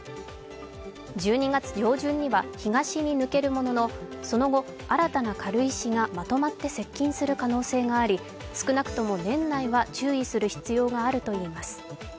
１２月上旬には東に抜けるもののその後、新たな軽石がまとまって接近する可能性があり、少なくとも年内は注意する必要があるといいます。